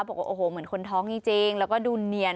บอกว่าโอ้โหเหมือนคนท้องจริงแล้วก็ดูเนียน